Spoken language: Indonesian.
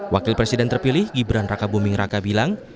wakil presiden terpilih gibran raka buming raka bilang